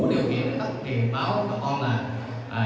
đủ điều kiện để đặt truyền báo cho các con là